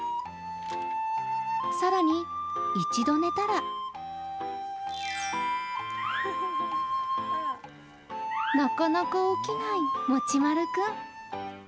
更に一度寝たらなかなか起きないもち丸くん。